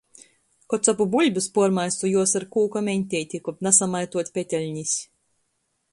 Kod capu buļbis, puormaisu juos ar kūka meņteiti, kab nasamaituot peteļnis.